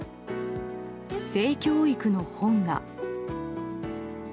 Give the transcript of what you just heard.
性教育の本が。